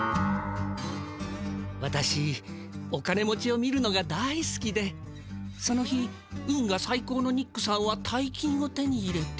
わたしお金持ちを見るのが大すきでその日運がさい高のニックさんは大金を手に入れて。